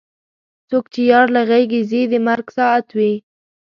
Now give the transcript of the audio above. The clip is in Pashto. څوک چې یار له غېږې ځي د مرګ ساعت وي.